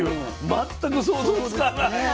全く想像つかない。